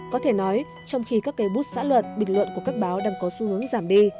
có thể nói trong khi các cây bút xã luận bình luận của các báo đang có xu hướng giảm đi